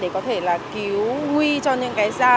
để có thể là cứu nguy cho những cái